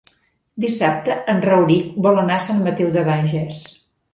Dissabte en Rauric vol anar a Sant Mateu de Bages.